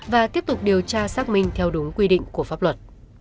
và tiếp tục điều tra xác minh theo đúng quy định của pháp luật